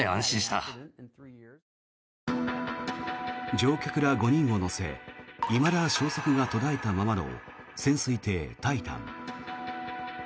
乗客ら５人を乗せいまだ消息が途絶えたままの潜水艇「タイタン」。